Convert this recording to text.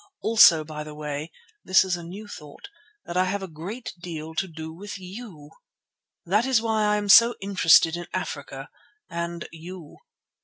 Also, by the way—this is a new thought—that I have a great deal to do with you. That is why I am so interested in Africa and you.